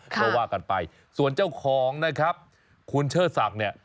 ก็ว่ากันไปส่วนเจ้าของนะครับคุณเชิดศักดิ์เนี่ย